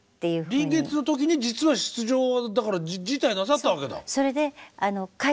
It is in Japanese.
臨月の時に実は出場を辞退なさったわけだ。